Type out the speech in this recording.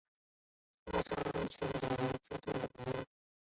腊肠犬的颜色多种多样。